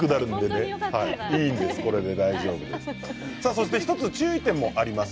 そして注意点もあります。